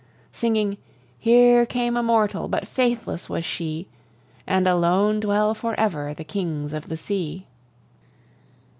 Singing: "Here came a mortal, But faithless was she! And alone dwell forever The kings of the sea."